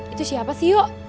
itu siapa sih yo